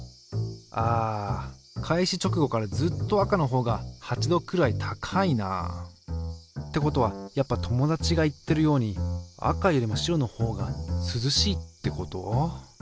あ開始直後からずっと赤のほうが８℃くらい高いなあ。ってことはやっぱ友達が言ってるように赤よりも白のほうが涼しいってこと？